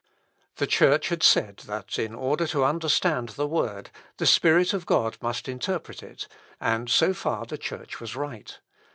The Church had said that, in order to understand the Word, the Spirit of God must interpret it, and so far the Church was right.